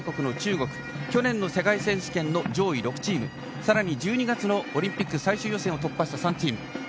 開催国・中国、去年の世界選手権上位６チーム、さらに１２月のオリンピック最終予選を突破した３チーム。